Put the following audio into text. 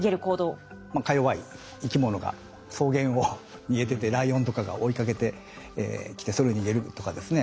かよわい生き物が草原を逃げててライオンとかが追いかけてきてそれで逃げるとかですね。